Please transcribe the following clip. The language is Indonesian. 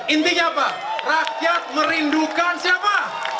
intinya apa rakyat merindukan siapa